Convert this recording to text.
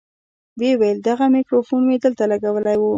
ويې ويل دغه ميکروفون مې دلته لګولى و.